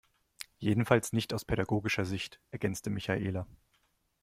Jedenfalls nicht aus pädagogischer Sicht, ergänzte Michaela.